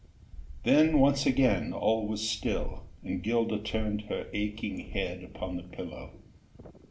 Then once again all was still, and Gilda turned her aching head upon the pillow.